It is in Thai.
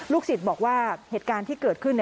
ศิษย์บอกว่าเหตุการณ์ที่เกิดขึ้น